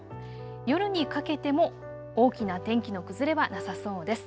夜にかけても大きな天気の崩れはなさそうです。